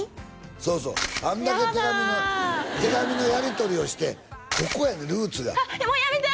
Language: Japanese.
そうそうあんだけ手紙のやりとりをしてここやねんルーツがあっもうやめて！